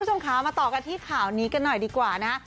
คุณผู้ชมคะมาต่อกันที่ข่าวนี้กันหน่อยดีกว่านะฮะ